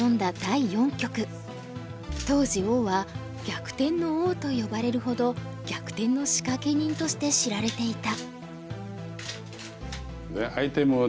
当時王は「逆転の王」と呼ばれるほど逆転の仕掛け人として知られていた。